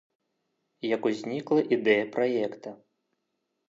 Як узнікла ідэя праекта?